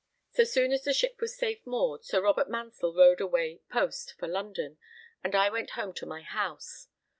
So soon as the ship was safe moored, Sir Robert Mansell rode away post for London, and I went home to my house.